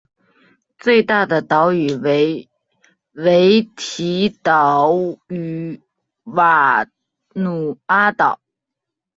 最大的岛屿为维提岛与瓦努阿岛。